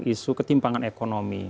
isu ketimpangan ekonomi